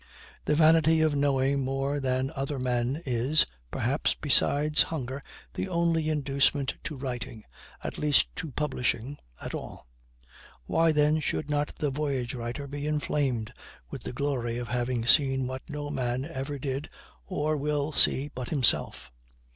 The vanity of knowing more than other men is, perhaps, besides hunger, the only inducement to writing, at least to publishing, at all. Why then should not the voyage writer be inflamed with the glory of having seen what no man ever did or will see but himself?